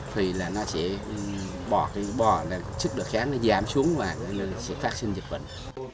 thì nó sẽ bỏ cái bò chức độ kháng nó giảm xuống và sẽ phát sinh dịch bệnh